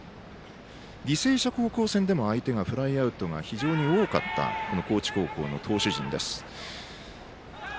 履正社高校戦でも相手がフライアウトが非常に多かったこの高知高校の投手陣です。